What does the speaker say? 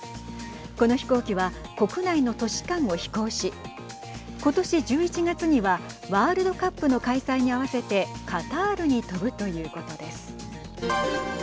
この飛行機は国内の都市間を飛行しことし、１１月にはワールドカップの開催に合わせてカタールに飛ぶということです。